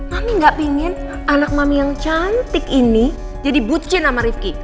mami gak pingin anak mami yang cantik ini jadi bucin sama rifki